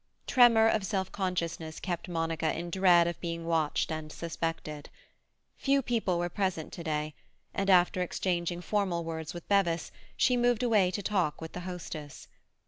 Tremor of self consciousness kept Monica in dread of being watched and suspected. Few people were present to day, and after exchanging formal words with Bevis, she moved away to talk with the hostess.